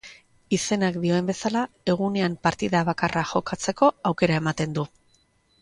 Izenak dioen bezala, egunean partida bakarra jokatzeko aukera ematen du.